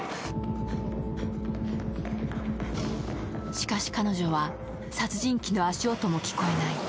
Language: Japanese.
しかし、彼女は殺人鬼の足音も聞こえない。